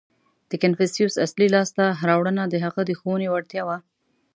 • د کنفوسیوس اصلي لاسته راوړنه د هغه د ښوونې وړتیا وه.